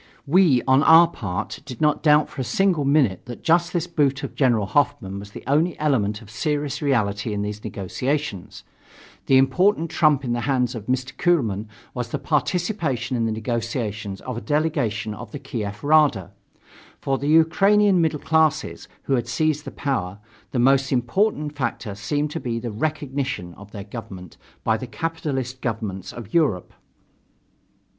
We, on our part, did not doubt for a single minute that just this boot of General Hoffmann was the only element of serious reality in these negotiations. The important trump in the hands of Mr. Kuehlmann was the participation in the negotiations of a delegation of the Kiev Rada. For the Ukrainian middle classes, who had seized the power, the most important factor seemed to be the "recognition" of their government by the capitalist governments of Europe.